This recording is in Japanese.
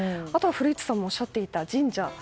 あとは古市さんもおっしゃっていた神社。